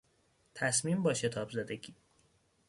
تصمیم با شتابزدگی